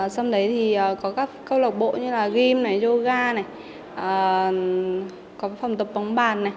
xong đấy thì có các câu lộc bộ như là game yoga có phòng tập bóng bàn